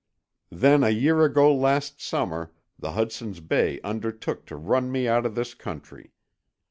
Then a year ago last summer the Hudson's Bay undertook to run me out of this country.